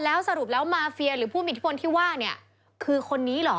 แล้วสรุปแล้วมาเฟียหรือผู้มีอิทธิพลที่ว่าเนี่ยคือคนนี้เหรอ